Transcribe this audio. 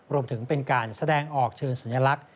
รวมถึงเป็นการแสดงออกเชิงสัญลักษณ